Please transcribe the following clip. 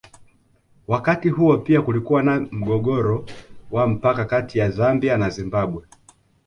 Wakati huo pia kulikuwa na mgogoro wa mpaka kati ya Zambia na Zimbabwe